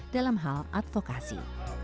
dalam hal advokasi